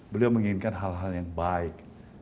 beliau menginginkan hal hal yang baik